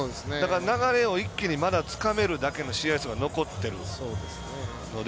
流れを一気にまだつかめるだけの試合数が残ってるので。